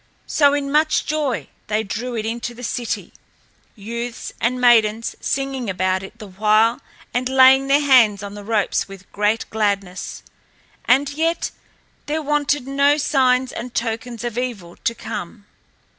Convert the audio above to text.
So in much joy they drew it into the city, youths and maidens singing about it the while and laying their hands to the ropes with great gladness. And yet there wanted no signs and tokens of evil to come.